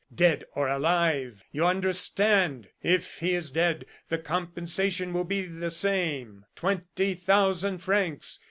Dead or alive, you understand. If he is dead, the compensation will be the same; twenty thousand francs!